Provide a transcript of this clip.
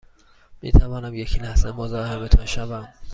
می توانم یک لحظه مزاحمتان شوم؟